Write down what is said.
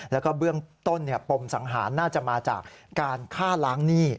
แล้วก็เบื้องต้นปมสังหารน่าจะมาจากการฆ่าล้างหนี้